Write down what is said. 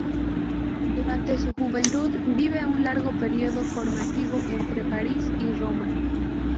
Durante su juventud vive un largo periodo formativo entre París y Roma.